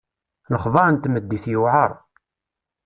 Lexbaṛ n tmeddit yewɛeṛ.